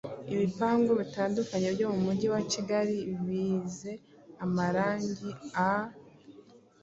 Ibipangu bitandukanye byo mumujyi wakigali biize amarangi aa